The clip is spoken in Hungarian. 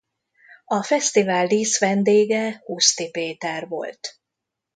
A fesztivál díszvendége Huszti Péter volt.